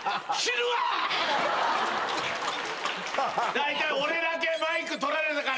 大体。